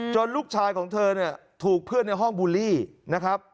ลูกชายของเธอเนี่ยถูกเพื่อนในห้องบูลลี่นะครับ